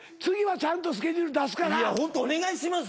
いやホントお願いしますよ。